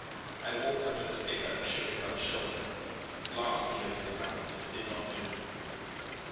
I walked up to the skipper and shook him by the shoulder. At last he opened his eyes, but did not move.